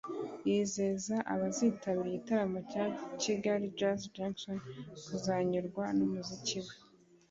yizeza abazitabira igitaramo cya Kigali Jazz Junction kuzanyurwa n’umuziki we